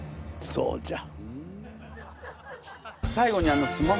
どうじゃ？